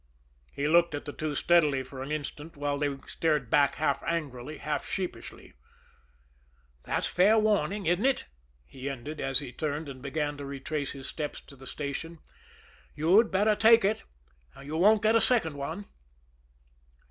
He looked at the two steadily for an instant, while they stared back half angrily, half sheepishly. "That's fair warning, isn't it?" he ended, as he turned and began to retrace his steps to the station. "You'd better take it you won't get a second one."